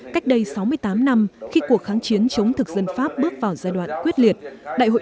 một nghìn chín trăm năm mươi một cách đây sáu mươi tám năm khi cuộc kháng chiến chống thực dân pháp bước vào giai đoạn quyết liệt đại hội